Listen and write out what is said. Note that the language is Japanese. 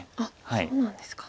そうなんですか。